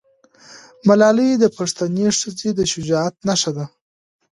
ملالۍ د پښتنې ښځې د شجاعت نښه ده.